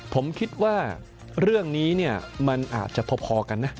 ผมคิดว่าเรื่องนี้เนี่ยมันอาจจะพอกันนะ